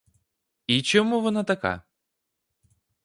І чому вона така?